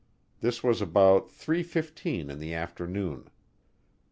This was about three fifteen in the afternoon.